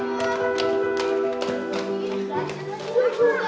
gak tau masuk yuk